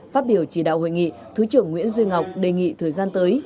phát biểu chỉ đạo hội nghị thứ trưởng nguyễn duy ngọc đề nghị thời gian tới